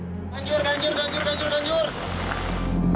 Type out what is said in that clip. danjur danjur danjur